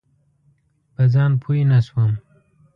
په ځان پوی نه شوم.